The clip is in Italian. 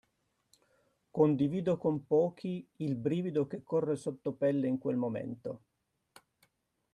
Condivido con pochi il brivido che corre sottopelle in quel momento.